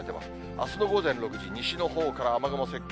あすの午前６時、西のほうから雨雲接近。